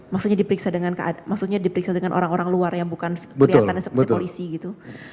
maksudnya diperiksa dengan orang orang luar yang bukan kelihatan seperti polisi gitu